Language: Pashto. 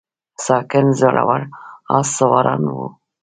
ساکان زړور آس سواران وو